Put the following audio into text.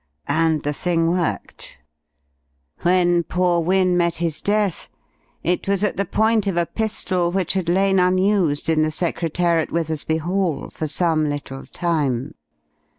And the thing worked. When poor Wynne met his death, it was at the point of a pistol which had lain unused in the secrétaire at Withersby Hall for some little time.